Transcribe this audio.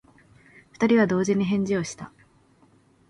二人は同時に返事をした。